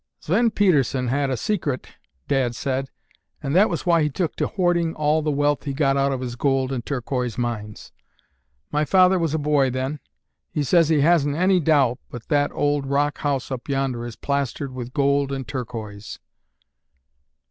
"Sven Pedersen had a secret—Dad said—and that was why he took to hoarding all the wealth he got out of his gold and turquoise mines. My father was a boy then. He says he hasn't any doubt but that old rock house up yonder is plastered with gold and turquoise."